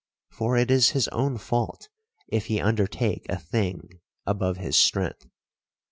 For it is his own fault if he undertake a thing above his strength.